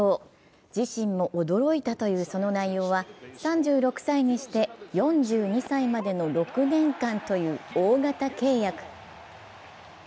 自身も驚いたというその内容は３６歳にして４２歳までの６年間という大型契約。